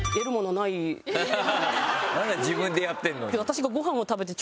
なんで自分でやってんのに。